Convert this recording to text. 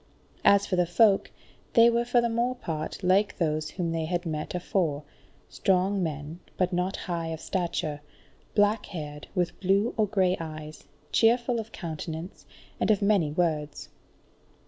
As for the folk, they were for the more part like those whom they had met afore: strong men, but not high of stature, black haired, with blue or grey eyes, cheerful of countenance, and of many words.